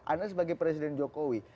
anda sebagai presiden jokowi